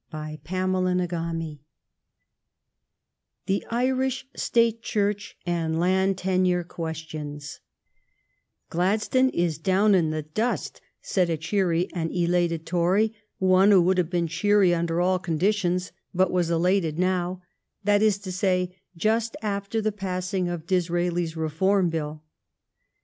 CHAPTER XXI THE IRISH STATE CHURCH AND LAND TENURE QUESTIONS " Gladstone is down in the dust/' said a cheery and elated Tory, one who would have been cheery under all conditions, but was elated now — that is to say, just after the passing of Disraeli s Re form Bill.